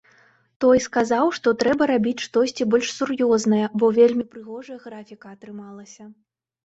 Той сказаў, што трэба рабіць штосьці больш сур'ёзнае, бо вельмі прыгожая графіка атрымалася.